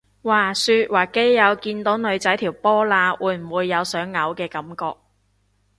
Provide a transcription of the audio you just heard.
話說話基友見到女仔條波罅會唔會有想嘔嘅感覺？